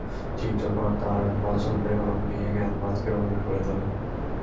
চিত্রকর তার পছন্দের রং দিয়ে ক্যানভাসকে রঙিন করে তোলে।